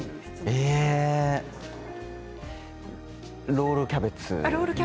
ロールキャベツです。